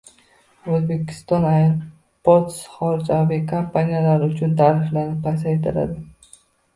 Uzbekistan Airports xorij aviakompaniyalari uchun tariflarini pasaytiradi